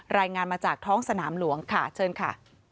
รายงานมาจากท้องสนามหลวงค่ะเชิญค่ะ